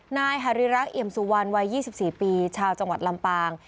นายหาริรักษ์เอี่ยมสุวรรณวัย๒๔ปีชาวจังหวัดลำปาง